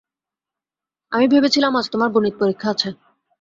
আমি ভেবেছিলাম আজ তোমার গণিত পরীক্ষা আছে।